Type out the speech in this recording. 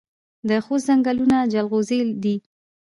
د خوست ځنګلونه جلغوزي دي